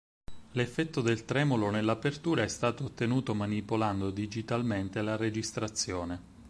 L'effetto del tremolo nell'apertura è stato ottenuto manipolando digitalmente la registrazione.